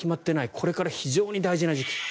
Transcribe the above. これから非常に大事な時期。